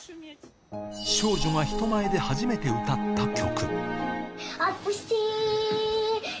少女が人前で初めて歌った曲。